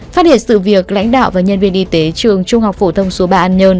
phát hiện sự việc lãnh đạo và nhân viên y tế trường trung học phổ thông số ba an nhơn